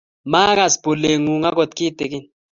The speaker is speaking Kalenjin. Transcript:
maakas bolcheng'ung akot kitegen